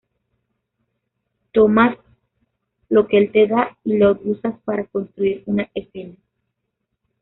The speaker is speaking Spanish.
Tomas lo que el te da y lo usas para construir una escena".